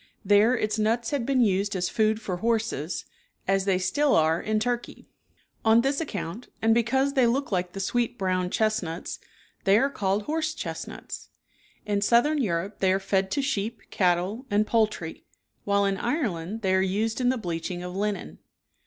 There its nuts had been used as food for horses, as they still are in Turkey. 38 On this account, and because they look like the sweet brown chestnuts they are called "horse chest nuts." In Southern Europe they are fed to sheep, cattle, and poultry; while in Ireland they are used in the bleaching of linen.